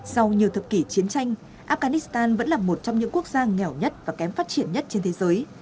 sau nhiều thập kỷ chiến tranh afghanistan vẫn là một trong những quốc gia nghèo nhất và kém phát triển nhất trên thế giới